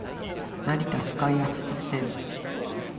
成田スカイアクセス線